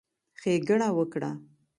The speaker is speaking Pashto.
ښېګڼه وکړه،